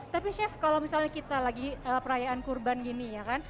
tapi chef kalau misalnya kita lagi perayaan kurban gini ya kan